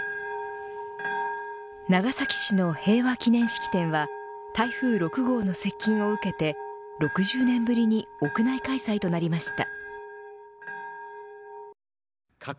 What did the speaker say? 長崎市の平和祈念式典は台風６号の接近を受けて６０年ぶりに屋内開催となりました。